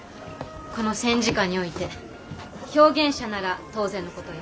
この戦時下において表現者なら当然の事よ。